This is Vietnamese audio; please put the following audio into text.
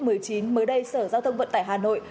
mới đây sở giao thông vận tải hà nội